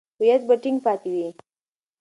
هویت به ټینګ پاتې وي.